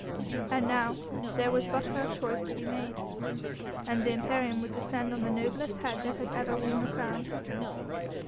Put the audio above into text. And now there was but her choice to be made, and the imperium would descend on the noblest head that had ever worn a crown.